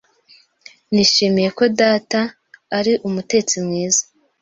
Nishimiye ko data ari umutetsi mwiza.